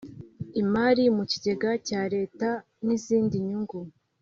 imari mu kigega cya Leta n izindi nyungu